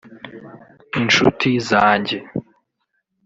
inshuti zanjye